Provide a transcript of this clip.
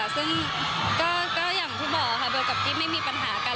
ซึ่งก็อย่างที่บอกค่ะเบลกับกิ๊บไม่มีปัญหากัน